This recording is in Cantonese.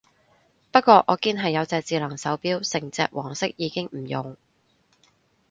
不過我堅係有隻智能手錶，成隻黃色已經唔用